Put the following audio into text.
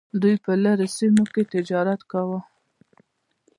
دوی په لرې سیمو کې تجارت کاوه